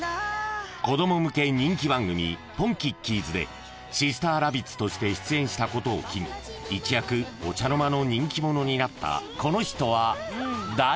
［子供向け人気番組『ポンキッキーズ』でシスターラビッツとして出演したことを機に一躍お茶の間の人気者になったこの人は誰？］